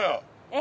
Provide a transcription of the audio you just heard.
え！